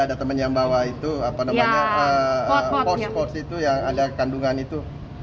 ada teman yang bawa itu apa namanya pos pors itu yang ada kandungan itu